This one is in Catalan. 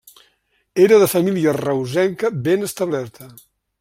Era de família reusenca ben establerta.